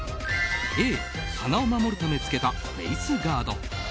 Ａ、鼻を守るため着けたフェースガード。